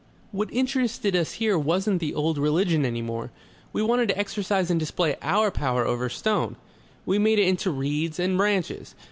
What interested us here wasn't the old religion any more. We wanted to exercise and display our power over stone. We made it into reeds and branches.